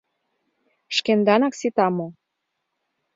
Шкенданак сита мо?